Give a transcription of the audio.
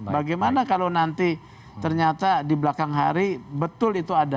bagaimana kalau nanti ternyata di belakang hari betul itu ada